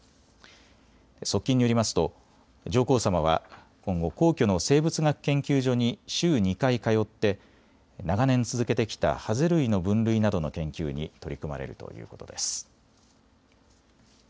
側近によりますと上皇さまは今後、皇居の生物学研究所に週２回通って長年続けてきたハゼ類の分類などの研究に取り組まれるということです。